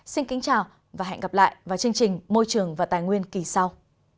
xin kính chào và hẹn gặp lại vào chương trình môi trường và tài nguyên kỳ sau